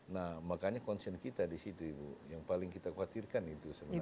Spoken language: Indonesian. nah makanya concern kita di situ ibu yang paling kita khawatirkan itu sebenarnya